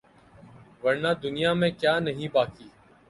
ورنہ دنیا میں کیا نہیں باقی